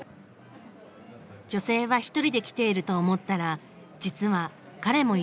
女性は１人で来ていると思ったら実は彼も一緒らしい。